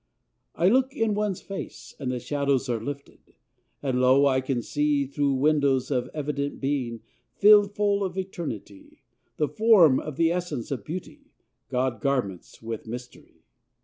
I look in one's face, and the shadows Are lifted; and, lo, I can see, Through windows of evident being, Filled full of eternity, The form of the essence of Beauty God garments with mystery.